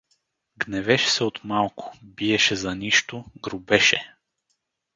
Гневеше се от малко, биеше за нищо, грубеше.